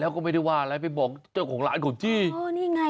ก็ไม่ได้ว่าอะไรไปบอกเจ้าของล้านของเจ้า